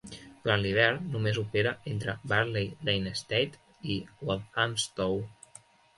Durant l'hivern només opera entre Yardley Lane Estate i Walthamstow.